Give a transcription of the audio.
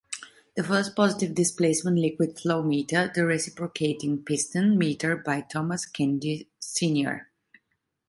The first positive displacement liquid flowmeter, the reciprocating piston meter by Thomas Kennedy Snr.